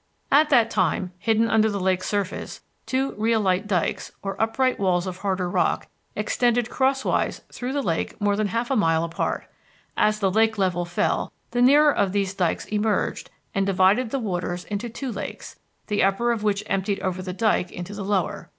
At that time, hidden under the lake's surface, two rhyolite dikes, or upright walls of harder rock, extended crosswise through the lake more than half a mile apart. As the lake level fell, the nearer of these dikes emerged and divided the waters into two lakes, the upper of which emptied over the dike into the lower.